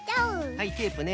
はいテープね。